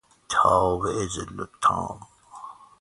تابع ظل تمام